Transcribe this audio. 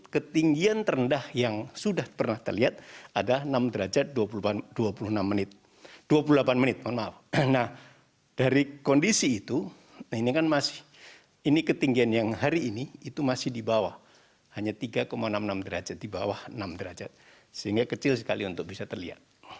ketinggian tersebut dinilai terlalu rendah sehingga kecil kemungkinan hilal terlihat